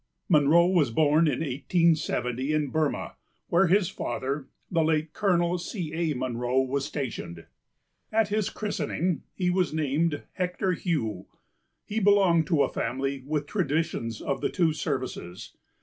Munro was born in 1870 in Burmah, where his father, the late Colonel C. A. Munro, was stationed. At his christening he was named Hector Hugh. He belonged to a family with traditions of the two services.